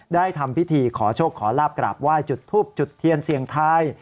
ทำพิธีขอโชคขอลาบกราบไหว้จุดทูบจุดเทียนเสี่ยงทาย